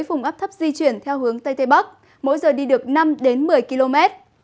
vùng áp thấp di chuyển theo hướng tây tây bắc mỗi giờ đi được năm đến một mươi km